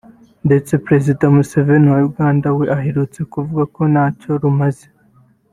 ndetse Perezida Museveni wa Uganda we aherutse no kuvuga ko ntacyo rumaze